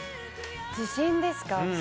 自信ですか。